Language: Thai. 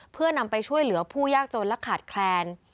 เพื่อนำไปช่วยเหลือผู้ยากจนและขาดแคลน